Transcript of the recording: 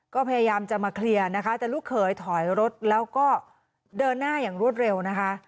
ก็พยายามจะมาเคลียร์นะคะแต่ลูกเขยถอยรถแล้วก็เดินหน้าอย่างรวดเร็วนะคะ